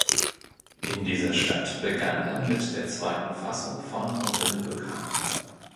In dieser Stadt begann er mit der zweiten Fassung von "Unter dem Vulkan".